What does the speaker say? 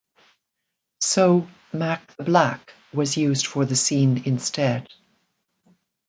So 'Mack the Black' was used for the scene instead.